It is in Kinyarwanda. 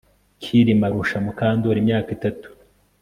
Kirima arusha Mukandoli imyaka itatu